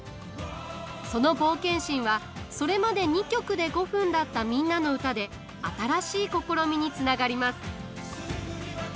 その冒険心はそれまで２曲で５分だった「みんなのうた」で新しい試みにつながります。